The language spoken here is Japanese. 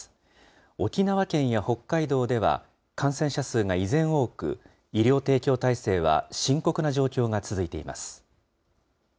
沖縄県や北海道では、感染者数が依然多く、医療提供体制は深刻な状況が続いています。